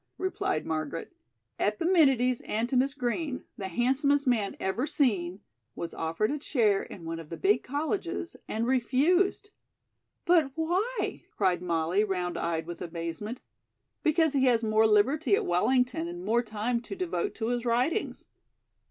replied Margaret. "Epiménides Antinous Green, 'the handsomest man ever seen,' was offered a chair in one of the big colleges and refused." "But why?" cried Molly, round eyed with amazement. "Because he has more liberty at Wellington and more time to devote to his writings."